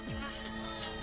orang orang ada bu